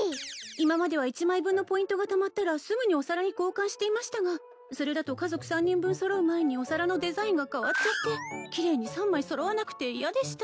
今までは１枚分のポイントがたまったらすぐにお皿に交換していましたがそれだと家族３人分揃う前にお皿のデザインが変わっちゃって綺麗に３枚揃わなくて嫌でした